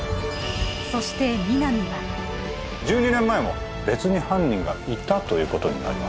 そして皆実は１２年前も別に犯人がいたということになります